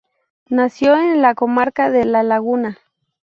Nació en la comarca de La Laguna.